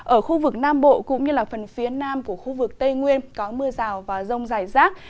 ở khu vực nam bộ cũng như phần phía nam của khu vực tây nguyên có mưa rào và rông dài rác